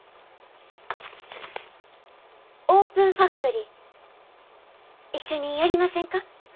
オープンファクトリー一緒にやりませんか？